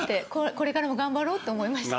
これからも頑張ろうって思いました。